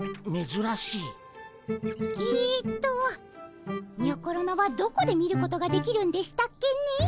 えっとにょころのはどこで見ることができるんでしたっけねえ。